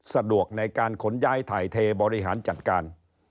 สะดวกในการขนย้ายถ่ายเทบริหารจัดการ